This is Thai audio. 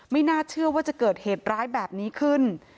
ไม่น่าเชื่อว่าจะเกิดเหตุร้ายแบบนี้ขึ้น